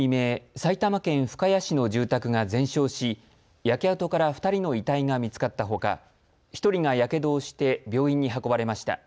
埼玉県深谷市の住宅が全焼し、焼け跡から２人の遺体が見つかったほか１人がやけどをして病院に運ばれました。